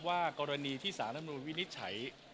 ว่ากรณีที่สถานธรรมนุนวินิจฉัย